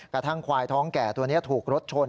กระทั่งควายท้องแก่ตัวนี้ถูกรถชน